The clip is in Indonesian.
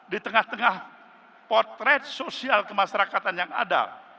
di tengah tengah potret sosial kemasyarakatan yang ada